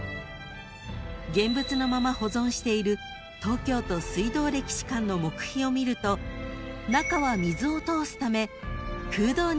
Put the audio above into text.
［現物のまま保存している東京都水道歴史館の木樋を見ると中は］